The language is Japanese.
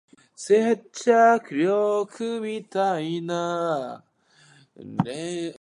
接着力